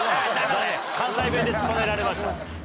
関西弁で突っぱねられました。